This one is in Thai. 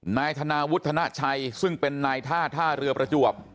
นายธนาวุฒนาชัยซึ่งเป็นนายท่าท่าเรือประจวบ